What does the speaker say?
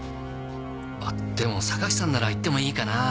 あっでも榊さんなら言ってもいいかな。